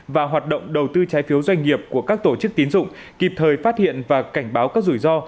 và hoạt động đầu tư trái phiếu doanh nghiệp của các tổ chức tín dụng kịp thời phát hiện và cảnh báo các rủi ro